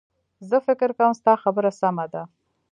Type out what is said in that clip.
زه فکر کوم ستا خبره سمه ده